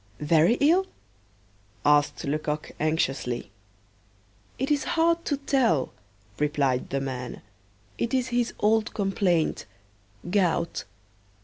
"Very ill?" asked Lecoq anxiously. "It is hard to tell," replied the man: "it is his old complaint gout."